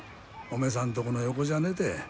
おめさんとこの横じゃねて。